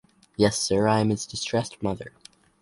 Yes, sir, I am his distressed mother.